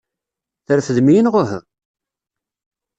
Trefdem-iyi neɣ uhu?